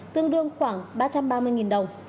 tương đương khoảng ba trăm ba mươi đồng